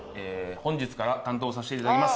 本日から担当さしていただきます。